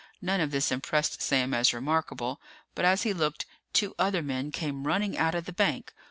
None of this impressed Sam as remarkable. But as he looked, two other men came running out of the bank.